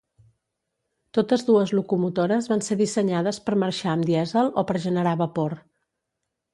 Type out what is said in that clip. Totes dues locomotores van ser dissenyades per marxar amb dièsel o per generar vapor.